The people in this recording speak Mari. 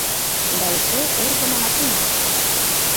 Да эше ургымо машина.